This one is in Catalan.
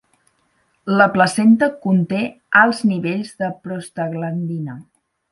La placenta conté alts nivells de prostaglandina.